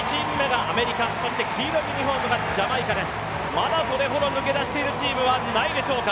まだそれほど抜け出しているチームはないでしょうか。